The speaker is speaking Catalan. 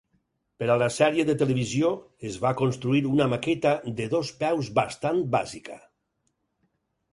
Per a la sèrie de televisió es va construir una maqueta de dos peus bastant bàsica.